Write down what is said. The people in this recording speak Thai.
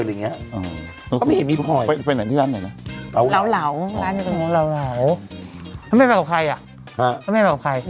แล้วใครอีกเค้ามีเพื่อนแล้วกับผู้ชายหมดเลย